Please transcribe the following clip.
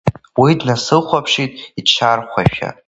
Уи днасыхәаԥшит, иҽаархәашәа.